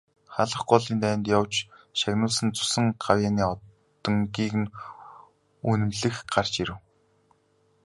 Халх голын дайнд явж шагнуулсан цусан гавьяаны одонгийн нь үнэмлэх гарч ирэв.